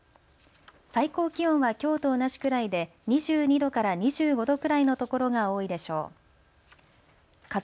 最高気温はきょうと同じくらいで２２度から２５度くらいの所が多いでしょう。